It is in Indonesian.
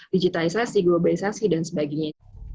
digitalisasi globalisasi dan sebagainya